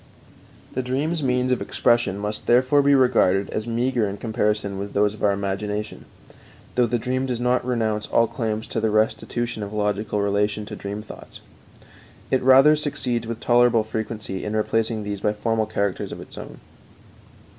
The dream's means of expression must therefore be regarded as meager in comparison with those of our imagination, though the dream does not renounce all claims to the restitution of logical relation to the dream thoughts. It rather succeeds with tolerable frequency in replacing these by formal characters of its own.